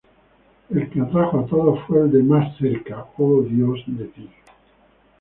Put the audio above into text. El que atrajo a todos fue el de "Más cerca, oh Dios, de ti".